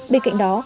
bên cạnh đó